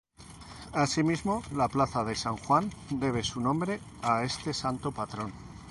Así mismo la plaza de San Juan debe su nombre a este santo patrón.